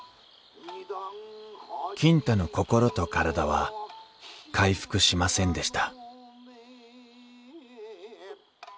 金太の心と体は回復しませんでした